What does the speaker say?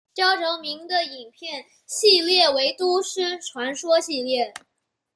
较着名的影片系列为都市传说系列。